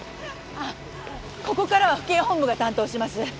あっここからは府警本部が担当します。